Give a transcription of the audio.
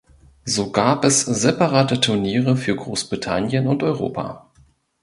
So gab es separate Turniere für Großbritannien und Europa.